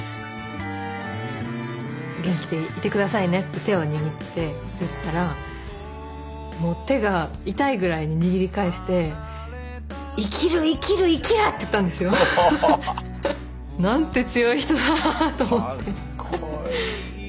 「元気でいて下さいね」って手を握って言ったらもう手が痛いぐらいに握り返して「生きる生きる生きる！」って言ったんですよ。なんて強い人だなぁと思って。